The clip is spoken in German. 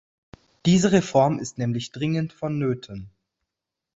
Diese Reform ist nämlich dringend vonnöten.